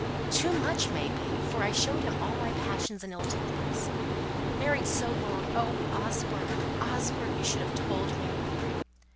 Too much, may be, for I showed him all my passions and ill tempers! Married so long! Oh, Osborne, Osborne, you should have told me!"